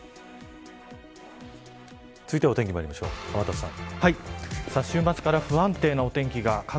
続いてはお天気まいりましょう、天達さん。